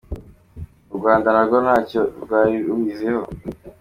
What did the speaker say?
U Rwanda narwo ntacyo rwari rubiziho.